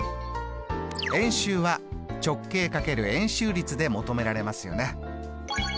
円周は直径×円周率で求められますよね。